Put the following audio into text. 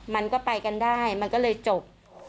มันก็ไปกันได้มันก็เลยจบ